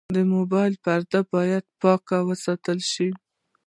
د موبایل پرده باید پاکه وساتل شي.